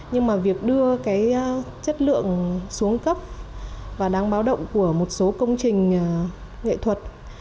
nhưng mà việc đưa cái chất lượng xuống cấp và đáng báo động của một số công trình nghệ thuật